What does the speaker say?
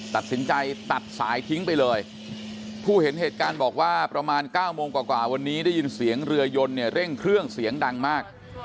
ตัดสินใจตัดสายทิ้งไปเลยผู้เห็นเหตุการณ์บอกว่าประมาณ๙โมงกว่าวันนี้ได้ยินเสียงเรือยนเนี่ยเร่งเครื่องเสียงดังมาก